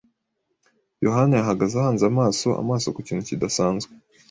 Yohana yahagaze ahanze amaso amaso ku kintu kidasanzwe .